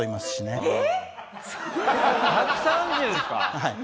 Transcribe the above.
はい。